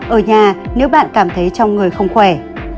ở nhà nếu bạn cảm thấy trong người không khỏe